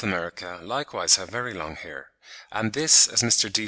America, likewise have very long hair; and this, as Mr. D.